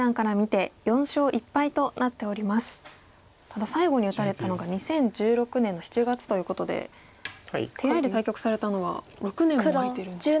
ただ最後に打たれたのが２０１６年の７月ということで手合で対局されたのは６年も空いてるんですね。